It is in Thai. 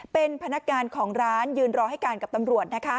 เป็นพนักงานของร้านยืนรอให้การกับตำรวจ